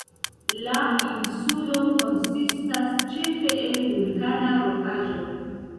La insulo konsistas ĉefe el vulkana rokaĵo.